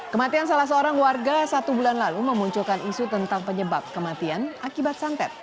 kematian salah seorang warga satu bulan lalu memunculkan isu tentang penyebab kematian akibat santet